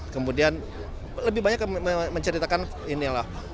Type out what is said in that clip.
kemudian lebih banyak menceritakan inilah